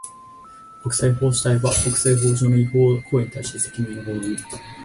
国際法主体は、国際法上の違法行為に対して責任を負う。